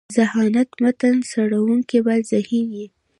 ذهانت: متن څړونکی باید ذهین يي.